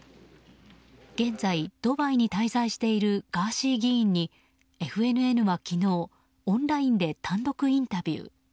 現在、ドバイに滞在しているガーシー議員にＦＮＮは昨日、オンラインで単独インタビュー。